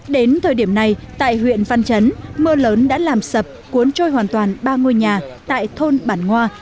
đến thời điểm này tại huyện văn chấn mưa lớn đã làm sập cuốn trôi hoàn toàn ba ngôi nhà tại thôn bản ngoa